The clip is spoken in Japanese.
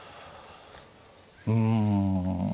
うん。